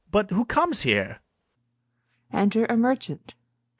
But who comes here? Enter a MERCHANT.